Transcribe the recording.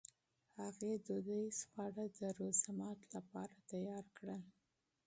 هغې دودیز خواړه د روژهماتي لپاره تیار کړل.